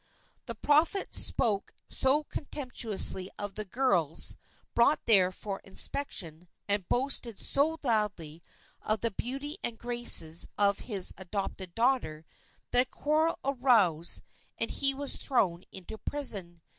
The prophet spoke so contemptuously of the girls brought there for inspection, and boasted so loudly of the beauty and graces of his adopted daughter, that a quarrel arose and he was thrown into prison.